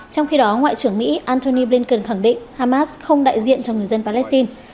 trong khi đó ngoại trưởng mỹ antony blinken khẳng định hamas không đại diện cho người dân palestine